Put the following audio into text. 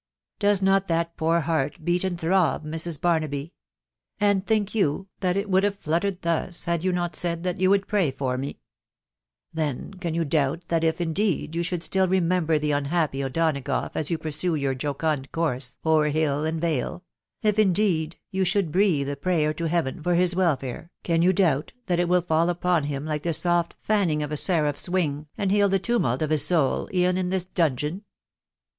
Does not that poor heart beat and throb, Mrs. Barnaby ?.... and think you that it would have fluttered thus, had you not said that you would pray for me ?.... Then can you doubt that if indeed you should still remember the unhappy O'Dona gough as you pursue your jocund course o'er hill and vale .... if indeed you should breathe a prayer to Heaven for his wel fare, can you doubt that it will fall upon him like the soft fanning of a seraph's wing, and heal thejumult of his soul, e'en in this dungeon